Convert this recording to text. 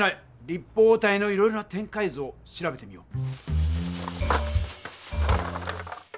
立方体のいろいろな展開図を調べてみよう。